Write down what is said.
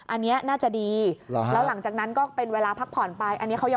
อันนี้น่าจะดีแล้วหลังจากนั้นก็เป็นเวลาพักผ่อนไป